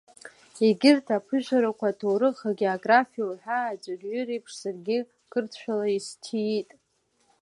Егьырҭ аԥышәарақәа аҭоурых, агеографиа уҳәа аӡәырҩы реиԥш, саргьы қырҭшәала исҭиит.